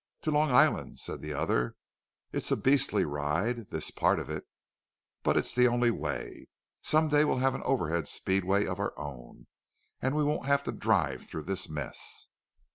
"To Long Island," said the other. "It's a beastly ride—this part of it—but it's the only way. Some day we'll have an overhead speedway of our own, and we won't have to drive through this mess."